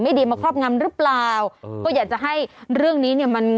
ดีมาครอบงำหรือเปล่าก็อยากจะให้เรื่องนี้เนี่ยมัน